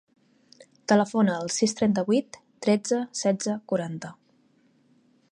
Telefona al sis, trenta-vuit, tretze, setze, quaranta.